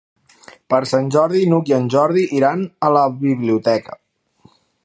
Per Sant Jordi n'Hug i en Jordi iran a la biblioteca.